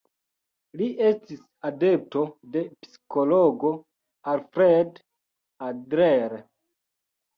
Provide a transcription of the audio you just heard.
Li estis adepto de psikologo Alfred Adler.